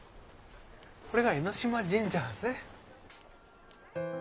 これが江島神社なんですね。